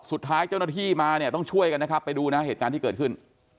สุดท้ายเจ้าหน้าที่มาเนี่ยต้องช่วยกันนะครับไปดูนะเหตุการณ์ที่เกิดขึ้น